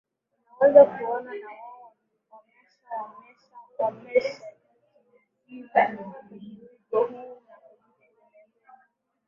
unaweza kuona na wao wamesha wamesha wameshajiigiza kwenye wigo huu na kujitengenezea